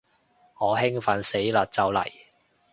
我興奮死嘞就嚟